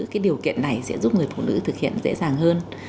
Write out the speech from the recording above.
cái điều kiện này sẽ giúp người phụ nữ thực hiện dễ dàng hơn